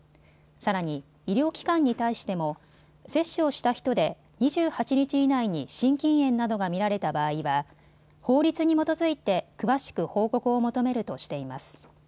さらに医療機関に対しても接種をした人で２８日以内に心筋炎などが見られた場合は法律に基づいて詳しく報告を求めるとしています。